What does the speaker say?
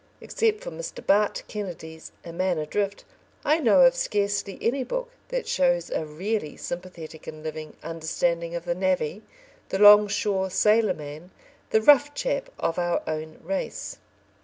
Except for Mr. Bart Kennedy's A Man Adrift, I know of scarcely any book that shows a really sympathetic and living understanding of the navvy, the longshore sailor man, the rough chap of our own race.